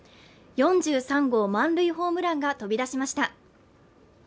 ４３号満塁ホームランが飛び出しました